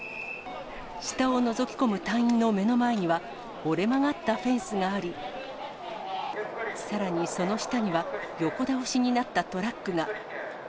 下をのぞき込む隊員の目の前には、折れ曲がったフェンスがあり、さらに、その下には横倒しになったトラックが。